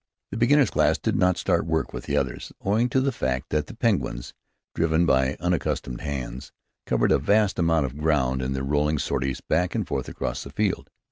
The beginners' class did not start work with the others, owing to the fact that the Penguins, driven by unaccustomed hands, covered a vast amount of ground in their rolling sorties back and forth across the field.